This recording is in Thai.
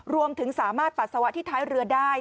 รวมถึงสามารถปัสสาวะที่ท้ายเรือได้